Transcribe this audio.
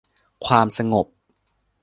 ความสงบ